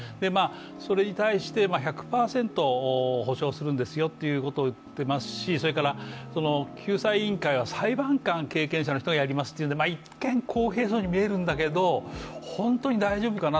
それに対して１００％補償するんですよということを言っていますしそれから救済委員会は裁判官経験者の方がやりますということで一見公平そうに見えるんだけど本当に大丈夫かな。